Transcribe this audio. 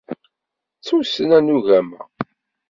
D tussna n ugama.